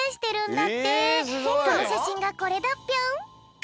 そのしゃしんがこれだぴょん。